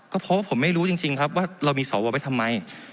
ก็เพราะว่าผมไม่รู้จริงครับว่าเรามีสวไว้ทำไม